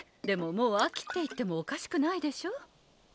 でももう秋って言ってもおかしくないでしょ。